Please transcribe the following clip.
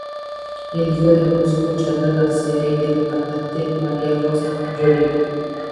Es hijo del músico Charly García y de la cantante María Rosa Yorio.